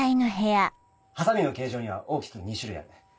ハサミの形状には大きく２種類ある。